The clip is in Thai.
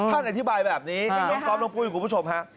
ท่านอธิบายแบบนี้น้องก๊อฟน้องปุ้ยคุณผู้ชมฮะ